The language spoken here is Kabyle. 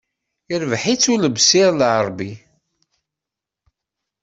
Irbeḥ-itt Ulebsir Lɛarbi.